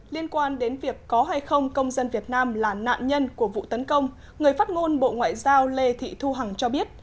liên quan đến việc có hay không công dân việt nam là nạn nhân của vụ tấn công người phát ngôn bộ ngoại giao lê thị thu hằng cho biết